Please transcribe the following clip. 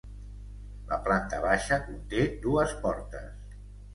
La planta baixa conté dues portes.